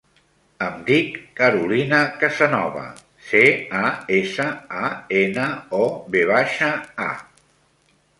Em dic Carolina Casanova: ce, a, essa, a, ena, o, ve baixa, a.